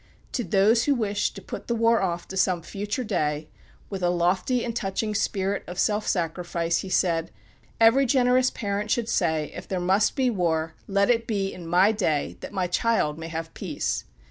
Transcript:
To those who wished to put the war off to some future day, with a lofty and touching spirit of self sacrifice he said: "Every generous parent should say, 'If there must be war let it be in my day that my child may have peace.'"